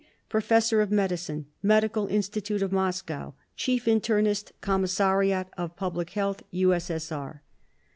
Professor of Medicine, Medical Institute of Moscow, Chief Internist, Commissariat of Public Health U.S.S.R.